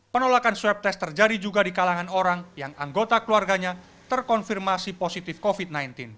penolakan swab test terjadi juga di kalangan orang yang anggota keluarganya terkonfirmasi positif covid sembilan belas